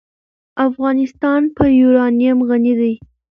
افغانستان په یورانیم غني دی.